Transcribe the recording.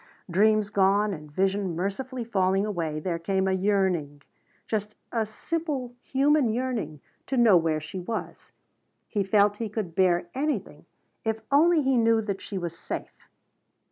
Dreams gone and vision mercifully falling away there came a yearning, just a simple human yearning, to know where she was. He felt he could bear anything if only he knew that she was safe.